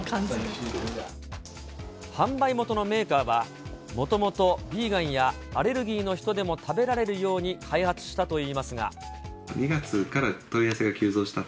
販売元のメーカーは、もともとヴィーガンやアレルギーの人でも食べられるように開発し２月から問い合わせが急増した。